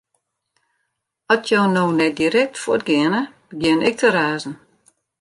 At jo no net direkt fuort geane, begjin ik te razen.